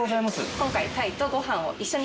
今回鯛とご飯を一緒に。